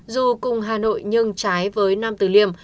dù cùng hà nội nhưng trái với nam tử liêm